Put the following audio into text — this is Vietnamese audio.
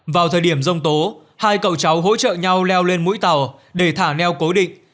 vào thời điểm dông tố hai cậu cháu hỗ trợ nhau leo lên mũi tàu để thả neo cố định